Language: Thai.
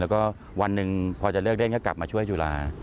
แล้วก็วันหนึ่งพอจะเลิกเล่นก็กลับมาช่วยจุฬา